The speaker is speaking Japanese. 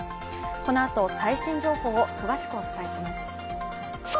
このあと最新情報を詳しくお伝えします。